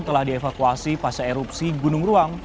telah dievakuasi pasca erupsi gunung ruang